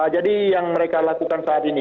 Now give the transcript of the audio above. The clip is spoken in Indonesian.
jadi yang mereka lakukan saat ini